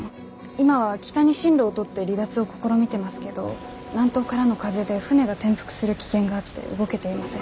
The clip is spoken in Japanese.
今は北に針路をとって離脱を試みてますけど南東からの風で船が転覆する危険があって動けていません。